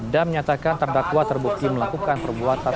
dan menyatakan terdakwa terbukti melakukan perbuatan